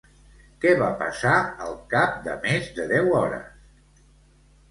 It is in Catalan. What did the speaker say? Què va passar al cap de més de deu hores?